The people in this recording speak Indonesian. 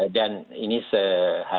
dan ini sehari hari